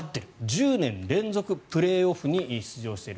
１０年連続プレーオフに出場している。